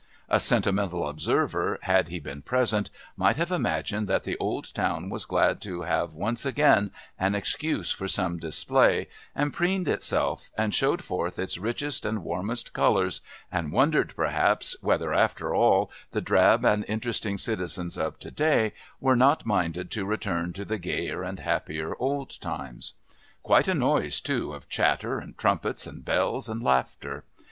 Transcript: A sentimental observer, had he been present, might have imagined that the old town was glad to have once again an excuse for some display, and preened itself and showed forth its richest and warmest colours and wondered, perhaps, whether after all the drab and interesting citizens of to day were not minded to return to the gayer and happier old times. Quite a noise, too, of chatter and trumpets and bells and laughter.